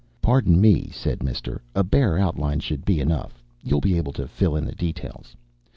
"Pardon me," said Mister. "A bare outline should be enough. You'll be able to fill in the details.